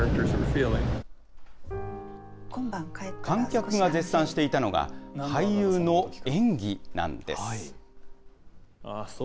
観客が絶賛していたのが、俳優の演技なんです。